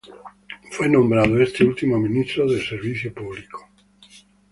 Este último fue nombrado Ministro de Servicio Público.